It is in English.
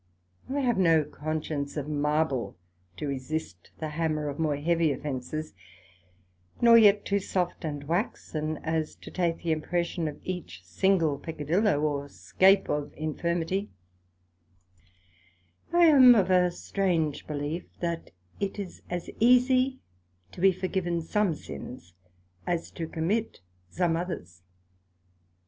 I have no Conscience of Marble, to resist the hammer of more heavy offences; nor yet too soft and waxen, as to take the impression of each single peccadillo or scape of infirmity: I am of a strange belief, that it is as easie to be forgiven some sins, as to commit some others.